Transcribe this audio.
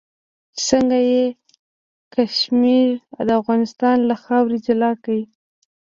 چې څنګه یې کشمیر د افغانستان له خاورې جلا کړ.